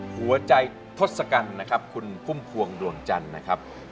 หัวใจทศกัณฐ์นะครับคุณพุ่มพวงดวงจันทร์นะครับ